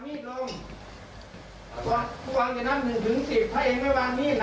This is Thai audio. กลับกินนับ๑๑๐